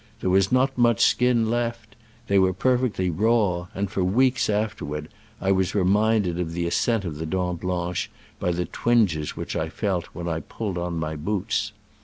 There was not much skin left : they were perfectly raw, and for weeks afterward I was reminded of the ascent of the Dent Blanche by the twinges which I felt when I pulled on my boots.